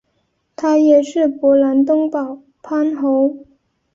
他也是勃兰登堡藩侯。